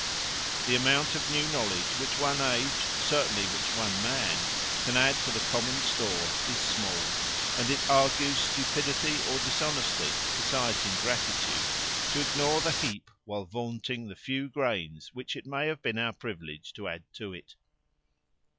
The amount of new knowledge which one age, certainly which one man, can add to the common store is small, and it argues stupidity or dishonesty, besides ingratitude, to ignore the heap while vaunting the few grains which it may have been our privilege to add to it.